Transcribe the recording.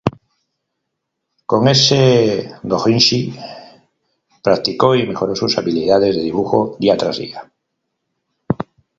Con ese dōjinshi, practicó y mejoró sus habilidades de dibujo día tras día.